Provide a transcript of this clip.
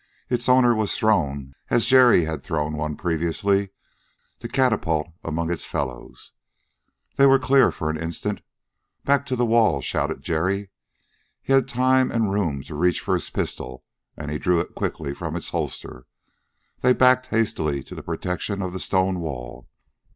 Its owner was thrown, as Jerry had thrown one previously, to catapult among its fellows. They were clear for an instant. "Back to the wall!" shouted Jerry. He had time and room to reach for his pistol, and drew it quickly from its holster. They backed hastily to the protection of the stone wall.